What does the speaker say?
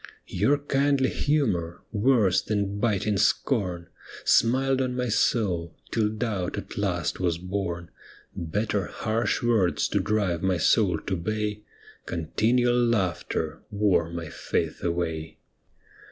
Your kindly humour, worse than biting scorn, Smiled on my soul, till doubt at last was born Better harsh words to drive mj' soul to bay Continual laughter wore my laith away.